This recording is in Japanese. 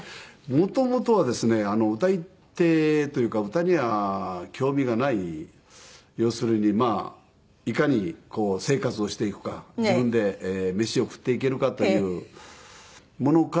元々はですね歌い手というか歌には興味がない要するにまあいかに生活をしていくか自分で飯を食っていけるかというものから始まりまして。